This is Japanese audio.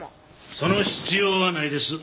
その必要はないです。